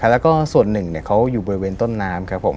แล้วก็ส่วนหนึ่งเขาอยู่บริเวณต้นน้ำครับผม